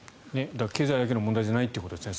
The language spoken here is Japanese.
経済だけの問題じゃないということですね。